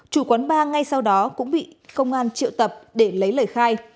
chủ quán ba ngay sau đó cũng bị công an triệu tập để lấy lời khai